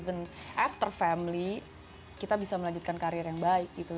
dan after family kita bisa melanjutkan karir yang baik gitu